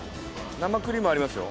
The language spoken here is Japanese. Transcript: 生クリームありますよ。